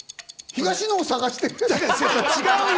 東野を探している？